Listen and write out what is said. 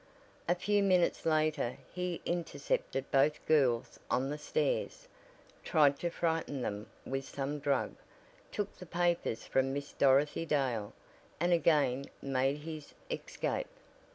A few minutes later he intercepted both girls on the stairs, tried to frighten them with some drug, took the papers from Miss Dorothy Dale, and again made his escape."